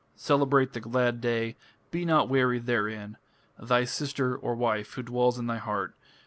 Celebrate the glad day, Be not weary therein.... Thy sister (wife) who dwells in thy heart.